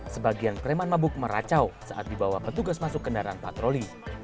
sebagian preman mabuk meracau saat dibawa petugas masuk kendaraan patroli